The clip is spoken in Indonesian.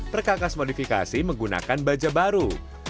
perkakas modifikasi menggunakan baja baru